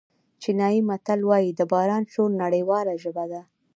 چینایي متل وایي د باران شور نړیواله ژبه ده.